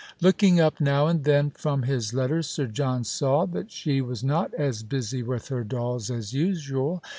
Looking up now and then from liis letters. Sir John saw that she was not as busy with her dolls as usual.